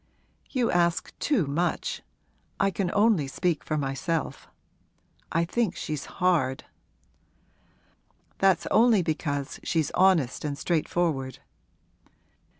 'You ask too much! I can only speak for myself. I think she's hard.' 'That's only because she's honest and straightforward.'